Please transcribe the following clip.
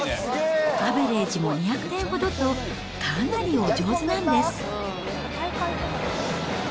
アベレージも２００点ほどと、かなりお上手なんです。